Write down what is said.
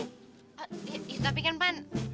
oh tapi kan tapan